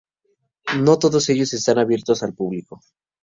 No todos ellos están abiertos al público.